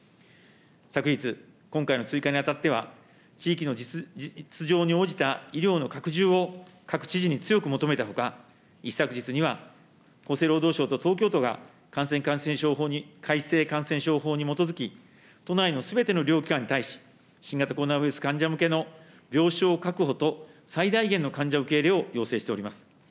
昨日、今回の追加にあたっては、地域の実情に応じた医療の拡充を、各知事に強く求めたほか、一昨日には厚生労働省と東京都が、改正感染症法に基づき、都内のすべての医療機関に対し、新型コロナウイルス患者向けの病床確保と、最大限の患者受け入れを要請しております。